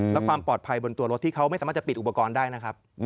และความปลอดภัยบนตัวรถที่เขาไม่สามารถจะปิดอุปกรณ์ได้นะครับ